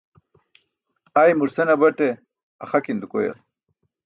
ai mur senabate axakin dukoyal